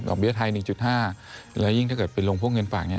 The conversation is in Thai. เบี้ยไทย๑๕และยิ่งถ้าเกิดไปลงพวกเงินฝากเนี่ย